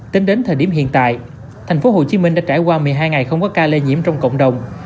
tính đến thời điểm hiện tại thành phố hồ chí minh đã trải qua một mươi hai ngày không có ca lây nhiễm trong cộng đồng